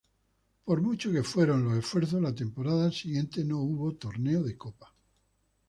Por muchos que fueron los esfuerzos la temporada siguiente no hubo torneo de copa.